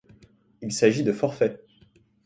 Il s'agit de forfaits.